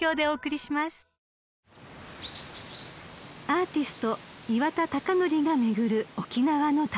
［アーティスト岩田剛典が巡る沖縄の旅］